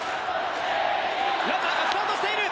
ランナーがスタートしている！